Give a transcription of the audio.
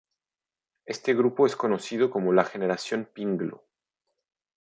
Este grupo es conocido como la "Generación Pinglo".